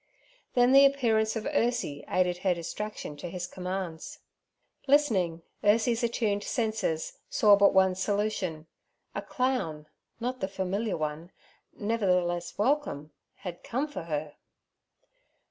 Then the appearance of Ursie aided her distraction to his commands. Listening Ursie's attuned senses saw but one solution: a clown—not the one familiar, nevertheless welcome—had come for her.